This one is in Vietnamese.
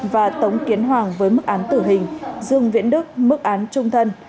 và tống kiến hoàng với mức án tử hình dương viễn đức mức án trung thân